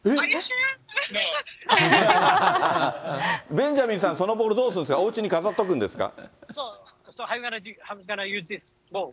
ベンジャミンさん、そのボール、どうするんですか、おうちに飾っておくんですか？